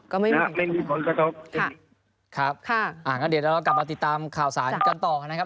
ก็ไม่มีผลกระทบอย่างนี้ค่ะค่ะค่ะอ่าเดี๋ยวเรากลับมาติดตามข่าวสารกันต่อนะครับ